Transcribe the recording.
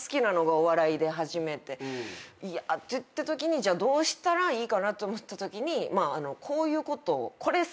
ってときにじゃあどうしたらいいかって思ったときこういうこと。